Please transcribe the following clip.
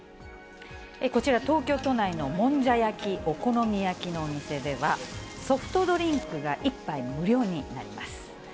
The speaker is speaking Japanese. こちら、東京都内のもんじゃ焼き・お好み焼きのお店では、ソフトドリンクが１杯無料になります。